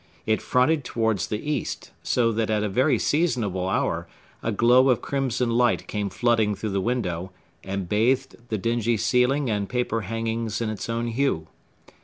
It fronted towards the east, so that at a very seasonable hour a glow of crimson light came flooding through the window, and bathed the dingy ceiling and paper hangings in its own hue.